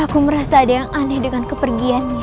aku merasa ada yang aneh dengan kepergiannya